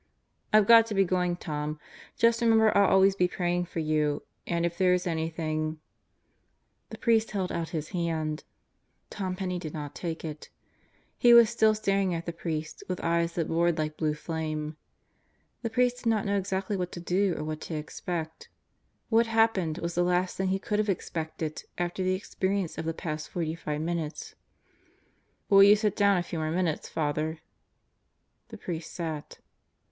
"I've got to be going, Tom. Just remember I'll always be praying for you, and if there is anything ..." The priest held "Most Likely Til Burn 27 out his hand. Tom Penney did not take it. He was still staring at the priest with eyes that bored like blue flame. The priest did not know exactly what to do or what to expect. What happened was the last thing he could have expected after the experience of the past forty five minutes. "Will you sit down a few more minutes, Father?" The priest sat.